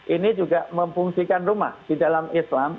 ini juga memfungsikan rumah di dalam islam